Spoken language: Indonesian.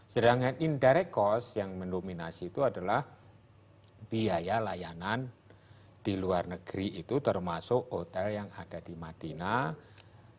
sedangkan indirect cost yang mendominasi itu adalah biaya layanan di luar negeri itu termasuk hotel yang ada di madinah